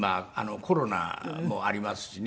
コロナもありますしね。